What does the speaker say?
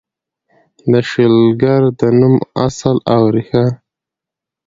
د شلګر د نوم اصل او ریښه: